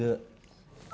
bapak ada ide